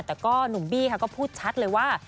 แต่ก็หนุ่มบี้ค่ะก็พูดชัดเลยว่า